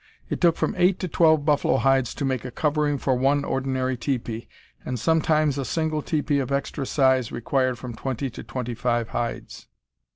It took from eight to twelve buffalo hides to make a covering for one ordinary teepee, and sometimes a single teepee of extra size required from twenty to twenty five hides.